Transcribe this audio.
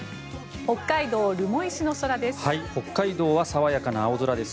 北海道留萌市の空です。